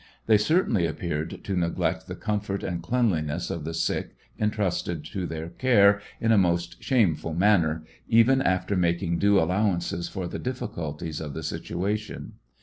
They certainly appeared to neglect the comfort and cleanlmess of the sick entrusted to their care in a most shameful manner, even after making due allowances for the difficulties of the situation.